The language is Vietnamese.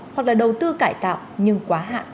hoặc là đầu tư cải tạo nhưng quá hạn